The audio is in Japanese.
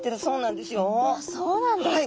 そうなんですか。